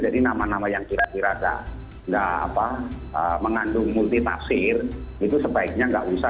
jadi nama nama yang kira kira tidak mengandung multitasker itu sebaiknya tidak usah